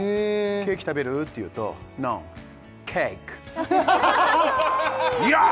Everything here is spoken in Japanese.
「ケーキ食べる？」って言うと「ノーケイク」かわいい！